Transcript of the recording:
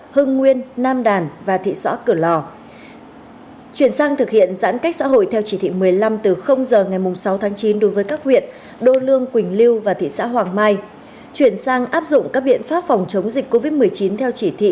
hãy nhớ like share và đăng ký kênh của chúng mình nhé